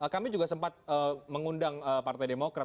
kami juga sempat mengundang partai demokrat